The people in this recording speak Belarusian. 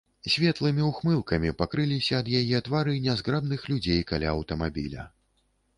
Светлымі ўхмылкамі пакрыліся ад яе твары нязграбных людзей каля аўтамабіля.